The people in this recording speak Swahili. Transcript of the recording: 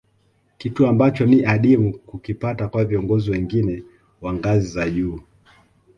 Kitu ambacho ni adimu kukipata kwa viongozi wengine wa ngazi za juu